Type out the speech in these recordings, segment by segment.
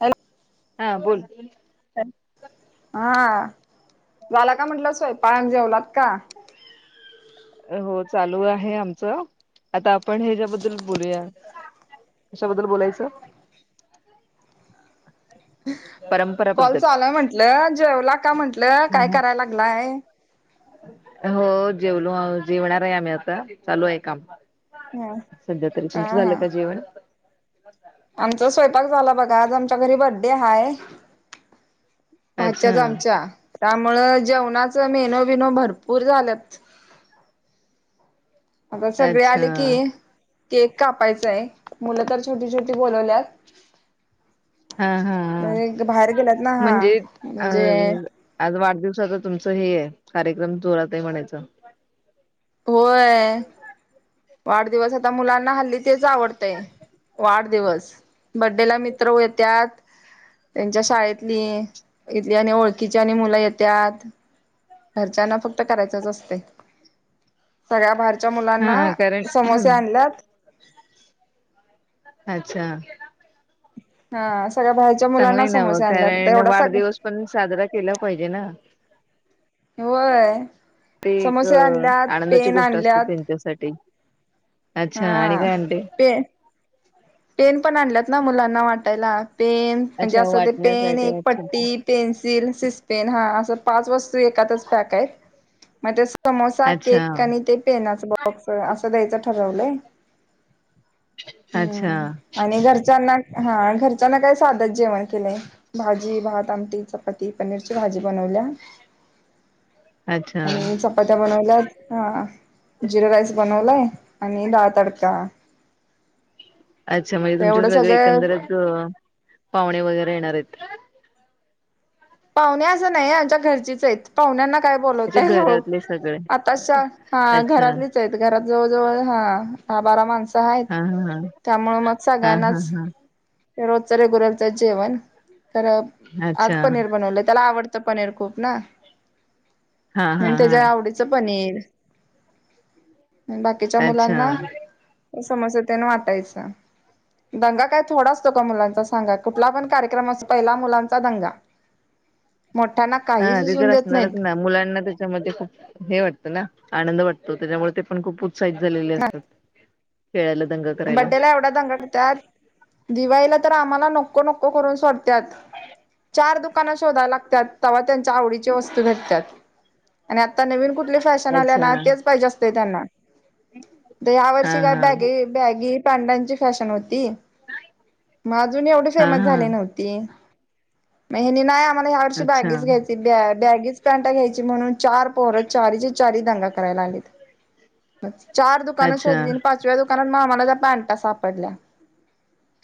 Hello हा बोल. हा. झाला का म्हंटलं स्वयंपाक, जेवलात का? हो चालू आहे आमचं, आता आपण हेच्याबद्दल बोलूया. कशाबद्दल बोलायचं? [inaudible] कॉल परंपराबद्दल चालूय म्हंटल, जेवला का म्हंटल हा काय हा कराय लागलाय.? हो जेवलो, जेवणार आहे आम्ही आता चालू आहे काम. ह सध्या तरी हा तुमचं झालं हा का जेवण? आमचा स्वयंपाक झाला बघा, आज आमच्या घरी बड्डे हाय. अच्छा भाच्याचा आमच्या, राम मुळं जेवणाचं मेनु बिनो भरपूर झालेत. आता सगळे अच्छा आले की केक कापायचाय, मुलं तर छोटी-छोटी बोलवल्यात. हा हा. म्हणजे बाहेर गेल्यात ना हा म्हणजे, अ म्हणजे आज वाढदिवसाचं तुमचं हे आहे. कार्यक्रम जोरात आहे म्हणायचा. होय, वाढदिवस आता मुलांना हल्ली तेच आवडतयं. वाढदिवस, बड्डेला मित्र येत्यात. त्यांच्या शाळेतली, इथली आणि ओळखीची आणि मुलं येत्यात. घरच्यांना फक्त करायचंच असतंय. सगळ्या बाहेरच्या मुलांना हा कारण समोसे आणल्यात. अच्छा! हा सगळ्या बाहेरच्या चांगलं मुलांना आहे ना मग समोसे आपल्यात आता कारण एवढा सग वाढदिवस पण साजरा केला पाहिजे ना होय, ते एक समोसे आणल्यात, आनंदाची पेन गोष्ट असते आणल्यात त्यांच्यासाठी हा अच्छा आणि काय आणते पेन पेन पण आणल्यात ना मुलांना वाटायला. पेन म्हणजे अच्छा असं ते पेन वाटण्यासाठी एक अच्छा पट्टी पेन्सिल सिस पेन हा पाच वस्तू एकातच पॅक आहेत. म ते समोसा अच्छा केक आणि ते पेनाच बॉक्स असं द्यायचं ठरवलंय. अच्छा! हम्म आणि घरचं च्याना हा घरच्यांना काय साधंच जेवण केलंय भाजी, भात, आमटी, चपाती, पनीरची भाजी. भाजी बनवल्या, अच्छा आणि चपात्या बनवल्यात हा जिरा राईस बनवलाय, आणि दाळ तडका अच्छा म्हणजे तुमचे एवढं सगळे सगळं एकंदरच, पाहुणे वगैरे येणार आहेत. पाहुणे असं नाही आमच्या घरचीच आहेत, पाहुण्यांना काय अच्छा बोलावताय अहो घरातले सगळे आताशा हा अच्छा घरातलीच आहेत, घरातली जवळ जवळ हा दहा बारा माणसं स आहेत हा हा त्यामुळे मग हा हा हा सगळ्यांनाच हा रोजचं रेग्युलरचंच जेवण, तर अ अच्छा आज पनीर बनवलं त्याला आवडत त पनीर खूप ना, हा हा म्हणून हा त्याच्या आवडीचं पनीर. आणि बाकीच्या अच्छा मुलांना, समोसं तेन वाटायचं. दंगा काय थोडा असतो का मुलांचा सांगा? कुठला पण कार्यक्रम असो पहिला मुलांचा दंगा. मोठ्यांना हा काही ते सुचवून तर देत असणारच नाहीत ना मुलांना त्याच्यामध्ये खूप हे वाटतं ना आनंद वाटतो त्याच्यामुळे ते पण खूप उत्साहित झालेले असतात. खेळायला दंग करायला बड्डेला एवढा दंगा‌ करत्यात, दिवाळीला तर आम्हाला नको नको करून सोडत्यात. चार दुकानं शोधाय लागत्यात, तेव्हा त्यांच्या आवडीची वस्तू भेटत्यात आणि आता नवीन कुठली फॅशन आल्या अच्छा ना तेच पाहिजे असतय त्यांना आता या हा वर्षी काय हा बॅगी जीन् पॅन्टाची फॅशन होती मग अजून एवढी हा फेमस हा झाली नव्हती हेनी नाय आम्हाला या वर्षी अच्छा बॅगीच घ्यायची बॅगीच पॅन्टा घ्यायची म्हणून चार पोरं चारीच्या चारी दंगा कराय लागली... चार दुकानं अच्छा शोधली आणि पाचव्या दुकानच्या नात आमाला त्या पॅन्टा सापडल्या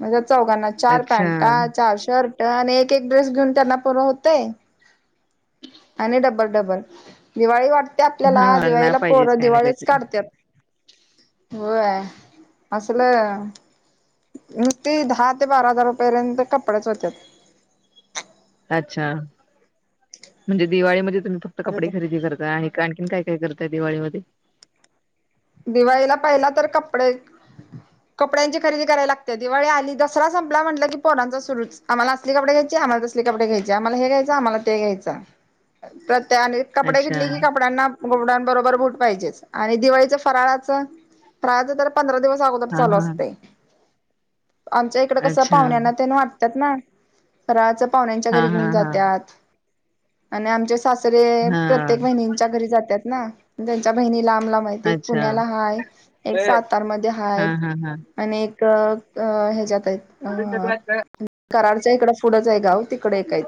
म्हणजे चौघांना चार अच्छा पॅन्टा, चार शर्ट आणि एक एक ड्रेस घेऊन त्यांना पूर हुतय आणि डबल डबल दिवाळी वाट त्या हा आपल्याला नाही दिवाळीला पोर पाहिजेच काही ना दिवाळंच काहीतरी काढत्यात. होय असलं नुस्ती दहा ते बारा हजारा पर्यंत कपडेच होत्यात. अच्छा म्हणजे दिवाळीमध्ये तुम्ही फक्त कपडे खरेदी करताय आणि आणखीन काय काय करताय दिवाळी मध्ये दिवाळीला पहिला तर कपडे कपड्यांची खरेदी कराय लागत्या दिवाळी आली, दसरा संपला म्हटलं की पोरांच सुरूच आम्हाला असली कपडे घ्यायची आम्हालां तसली कपडे घ्यायचे आम्हाला हे घ्यायच आम्हाला ते घ्यायच परत ते आणि कपडे अच्छा घेतली की कपड्यांना कपड्यानबरोबर बूट पाहिजेच आणि दिवाळीच फराळाच फराळाच तर पंधरा दिवस अगोदर हा चालू हा असतय आमच्या हिकडं कसं अच्छा पाहुण्याना तेन वाटत्यात ना फराळाचं पाहुण्यांच्या हा घरी हा घेऊन हा जात्यात आणि आमच्या सासरे हा प्रत्येक बहिणींच्या घरी जात्यात ना त्यांच्या बहिणी लांब लांब हायती अच्छा पुण्याला हाय, एक सातार मध्ये हा हा हा हायत आणि एक अ हेज्यात आहेत अ कराडच्या इकडं फुडच आहे गाव तिकड एक आहेत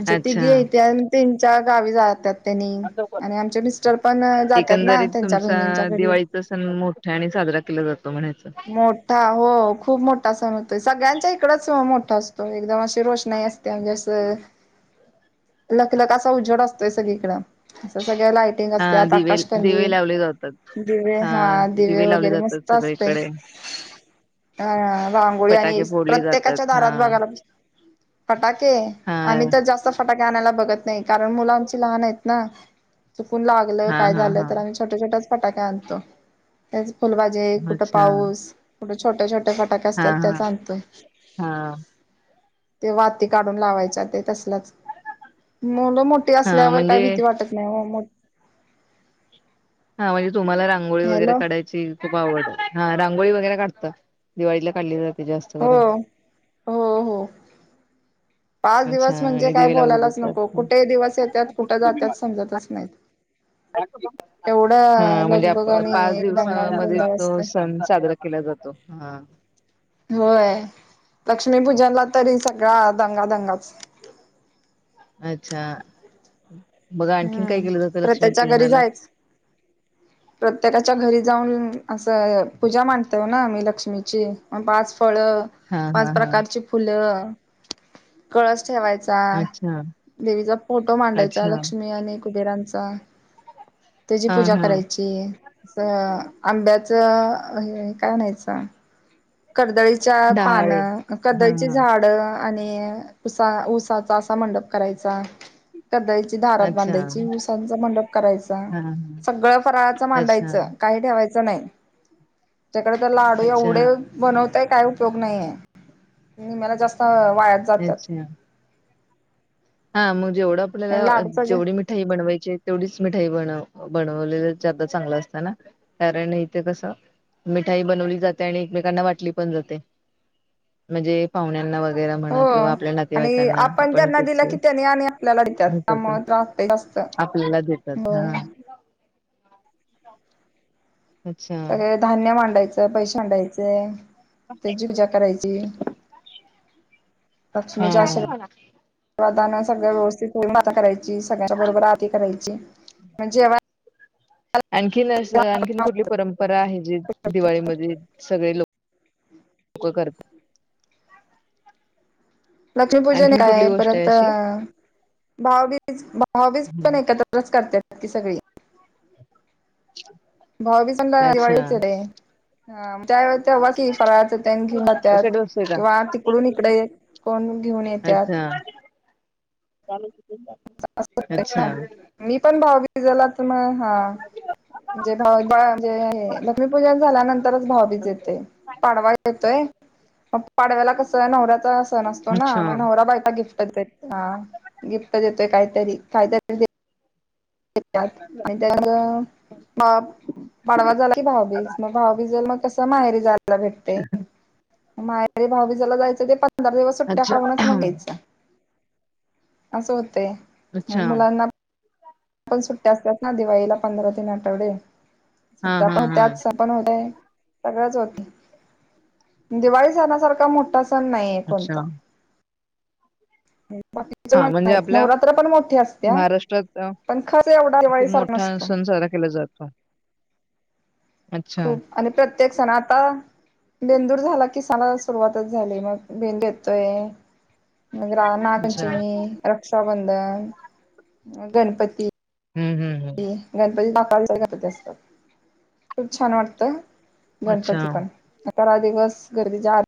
अश्या अच्छा तिघी हयात्या आणि तेन च्या गावी जात्यात तेनी आणि आमचे मिस्टर पण जात्यात ना एकंदरीत त्यांच्या तुमचा बहिणींच्या घरी दिवाळीचा सण मोठ्यांनी साजरा केला जातो म्हणायचं मोठा हो खूप मोठा सण होतोय सगळ्यांच्या इकडच मोठा असतो एकदम असं रोषणाई असत्या म्हणजे असं लखलख असा उजेड असतोय सगळीकडं अस सगळ्या लाइटिंग हा असत्यात दिवे दिवे आकाशकंदील लावले जातात दिवे हा. दिवे लावले वैगेरे जातात मस्त असतय. सगळीकडे हा रांगोळी आणि फटाके फोडले जातात प्रत्येकाच्या हा दारात बघायला फटाके हा आणि तर जास्त फटाके लावायला बघत नाही. कारण मुलं आमची लहान आहेत ना. चुकून लागलं हा काय हा झालं हा तर छोटे छोट्याच फटाके आणतो. फुलभजे, कुठ अच्छा पाऊस कुठे, छोटे छोटे फटाके हा असत्यात त्याच हा आणतोय. हा ते वाती काढून लावायच्या ते तस मुलं मोठी हा असल्यावर काही म्हणजे भीती वाटत नाय ओ. हा म्हणजे तुम्हाला रांगोळी वगैरे हॅलो काढायची खूप आवड. हा रांगोळी वगैरे काढता. दिवाळीला काढली तर जास्त हो करून हो हो [inaudible] पाच अच्छा दिवस म्हणजे आणि काय दिवे लावले बोलायलाच नको? जातात कुठे दिवस येतात? कुठ जातात? समजतच नाहीत? हा एवढं म्हणजे लगबग आणि पाच एकदम लावून दिवसामध्ये गोंधळ तो असतय सण साजरा केला जातो. हा.. व्हय.. लक्ष्मीपूजनला तरी सगळा दंगा दंगाच. अच्छा.. बघा आणखीन काय हम्म केलं जातं लक्ष्मी प्रत्येच्या घरी पूजनाला? जायच [inaudible] प्रत्येकाच्या घरी जाऊन अस.. पूजा मांडतोय ना आम्ही घरी पाच फळ हा पाच, हा हा प्रकारची फुल ठेवायचा. अच्छा देवीचा फोटो मांडायचा अच्छा लक्ष्मी कुबेरांचा त्याची हा पूजा हा करायची. अस आंब्याच हे काय म्हणायच कर्दळी च्या डहाळे पानं, हा कर्दळीची हा झाड आणि उसा.. उसाचा असा मंडप करायचा. कर्दळीची दारात अच्छा बांधायची. हा ऊसांचा मंडप करायचा. हा सगळं फराळाचं अच्छा मांडायचं. काय ठेवायच- नाही? त्याकडे तर लाडू अच्छा एवढे बनवताय. काय उपयोग नाहीये? मला जास्त वायाच जातात. अच्छा हा.. म जेवढं आपल्याला लाडूच जे जेवढी मिठाई बनवायचीये तेवढीच मि बन बनवलेलं ज्यादा चांगलं असत. ना कारण इथे कसं मिठाई बनवली जाते आणि एकमेकांना वाटली पण जाते म्हणजे पाहुण्यांना व गैरे हो म्हणा किंवा आपल्या नातेवाईकांना. आपण त्यानी आणि आपल्या लाढत हे करतो त्यामुळे राहत नसत. आपल्याला देतात हा अच्छा सगळ धान्य मांडायचं पैस मांडायच. त्याची पूजा करायची. लक्ष्मीच्या हा आशीर्वादानेच सगळ व्यवस्थित माता करायची सगळ्यांच्या बरोबर आरती करायची अन जेंव्हा आणखीन अस.. आणखीन कुठली परंपरा आहे? जी दिवाळीमध्ये सगळे लोक होय.. कर. लक्ष्मीपूजन आणखीन कुठली हाय? गोष्ट आहे परत अशी भाऊबीज भाऊबीज पण एकत्रच करते. ती सगळी. [inaudible] भाऊबीज पण अच्छा दिवाळीच येते? हा त्यावेळे तेव्हा.. ती फराळच त्यांनी घेऊ असे डोसे का त्यात तिकडून इकडे कोण घेऊन येत्यात? अच्छा [unintelligible] अच्छा मी पण भाऊबीजेला त म ह्म्म.. म्हणजे भाऊ म्हणजे.. लक्ष्मी पूजा झाल्यानंतरच भाऊबीच येते. पाडवा येतोय. ह पाडव्याला कस आहे नवऱ्याचा सण असतो ना अच्छा मग नवरा बाई का गिफ्ट करतेत देतोय काहीतरी काही त्यांच गिफ्ट ात आणि त्या म पाडवा झाला की भाऊबीज मग भाऊबीज मग कस माहेरी जायला भेटते माटेरी भाऊी जला जायचं ते पंधरा दिवस सुट्ट्या अच्छा खाऊनच मगच यायचं असं होते मग अच्छा मुलांना आपण सुट्ट्या असल्यात ना दिवाळीला पंधरा तीन आठवडे हा हा सुट्यापण हा त्याच सं पण होतय सगळच होते दिवाळी सणासारखा मोठा सण नाहीये अच्छा कोणता बाकीच हा माहित म्हणजे आपल्या नाहीनवरात्र पण मोठ्या असत्या महाराष्ट्रात अ, पंखाचा एवढा खूप दिवाळीसारख मोठा नसतो सण साजरा केला जातो अच्छा खूप आणि प्रत्येक सण आता बेंदूर झाला किसानाला सुरुवातच झाली मग बेंदू येतोय मग अच्छा रामापंचमी रक्षाबंधन मगगणपती हम्म हम् हम् ती असतात खूप छान वाटत अच्छा गणपती पण सतरा दिवस गर्दीच्या आत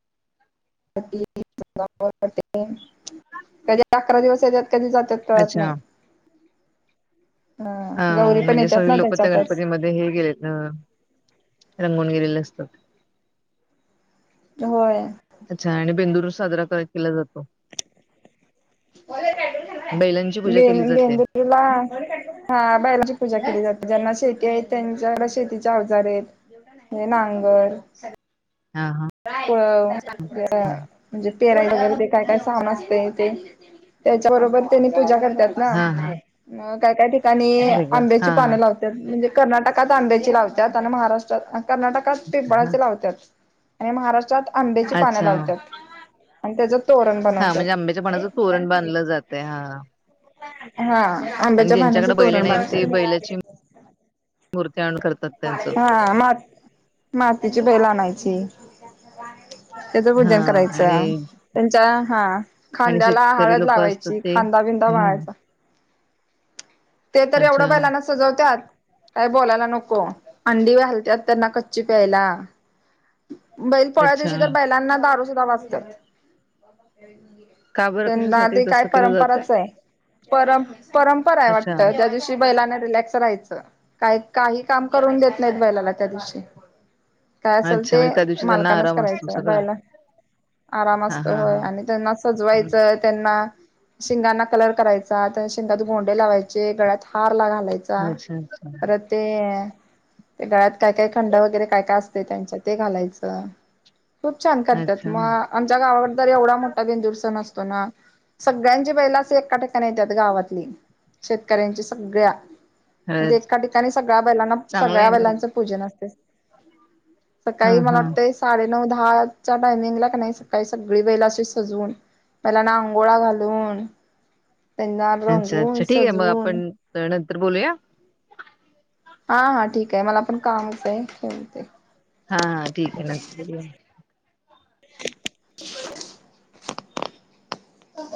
अकरा दिवस येत कधी जातात कळत अच्छा नाही. हा ह गौरी पण म्हणजे येतात ना सगळेलोक त्या त्याच्यातच गणपती मध्ये. हे गेलेत ना रंगून गेले झाल असत. होय. अच्छा! आणि बेंदूर साजरा करा-केला जातो. बैलांची [unintelligible] पूजा केली जाते बेंदूर ला हा बैलाचीपूजा केली जाते. ज्यांना शेती आहेत, त्यांच्या शेतीचे आवजार आहेत, हे नांगर हा हा म्हणजे पेराय वगैरे ते काय-काय सामान असतय ते त्याबरोबर त्यांनी पूजा करतात ना. हा हा अ काय-काय ठिकाणी असं आहे का? आंब्याची हा पान लावत्यात. कर्नाटकात आंब्याची लावत्यात आणि महाराष्ट्रात कर्नाटकात हा पिंपळाची लावत्यात आणि महाराष्ट्रात आंब्याची पान अच्छा लावत्यात. तोरण हा बनवत्यात म्हणजे आंब्याच्या पानाचं तोरण बांधलं जातय हा. हा. आणि आंब्याच्या पानाच ज्यांच्याकडे बैले तोरण नाहीत ते बैलाची बांधतेत. मूर्ती आणून करतात त्यांचं हां मात-मातीची बैल आणायची. त्यांच हा पूजन आणि करायचं. त्यांच्या हा आणि खांद्याला शेतकरी हळद लोक असतात लावायची, ते खांदा बिंदा हम्म वळायचा. ते तर एवढं अच्छा बैलांना सजवत्यात काय बोलायला नको. हो अंडी घलव्यात त्यांना कच्ची प्यायला. बैल-पोळ्या अच्छा दिवशी तर बैलांना दारू सुद्धा पाजत्यात. का बरं त्यांना कशासाठी ते काय तसं केलं जातय परंपराच हाय. परंम-परंपरा आहे अच्छा वाटत त्या दिवशी बैलांना रिलॅक्स राहायच का काही काम करून देत नाहीत बैंलाना त्या दिवशी काय असेल अच्छा! ते म्हणजे त्या दिवशी त्यांना मालकानच आराम असतो करायचं सगळां. बैला आराम असत होय आणि त्यांना हम्म. सजवायचं, त्यांना शिंगाना क लर करायचा, त्यां शिंगात गोंडे लावायचे, गळ्यात हार घालायचा. जायचा अच्छा अच्छा परत ते त्या गळ्यात काय काय खंड वगैरे काय काय असतय त्यांच्या ते घालायचं. खूप छान करत्यात अच्छा म आमच्या गावाकड तर, एवढा मोठा बेंदूर सण अस तो ना, पण सगळ्यांची बैल अशी एका पेटाला येत्यात गावातली. शेतकऱ्यांची सगळ्या अ म्हणजे एका ठिकाणी सगळ्या बैलांना, चांगला आहे सगळ्या ना बैलांचं पूजन असतय. हा सकाळी मला हा वाटतंय साडे नऊ दहाचा टायमिंगला का नाही सकाळी सगळी बैल अशी सजवून बैलांना आंघोळा घालून त्यांना अच्छा रंगवून अच्छा ठीक आहे मग, सजवून आपण नंतर बोलूया. हा हा ठीक हाय, मला पण कामच हाय ठेवते. हा हा ठीक हाय, नंतर करुया.